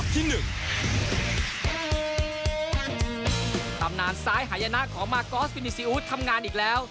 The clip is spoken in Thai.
ตำนานซ้ายหายนะของมากอสฟินิซีอู๊ดทำงานอีกแล้ว